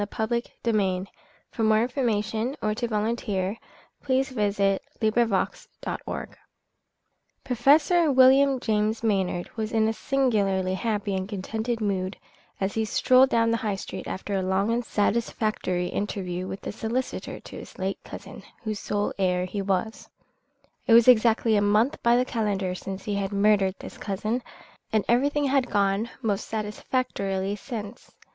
THE TRAGEDY AT THE "LOUP NOIR" 113 UNCANNY STORIES I THE UNKNOWN QUANTITY Professor William James Maynard was in a singularly happy and contented mood as he strolled down the High Street after a long and satisfactory interview with the solicitor to his late cousin, whose sole heir he was. It was exactly a month by the calendar since he had murdered this cousin, and everything had gone most satisfactorily since.